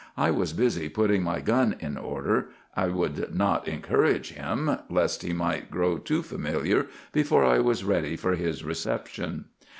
I was busy putting my gun in order. I would not encourage him, lest he might grow too familiar before I was ready for his reception.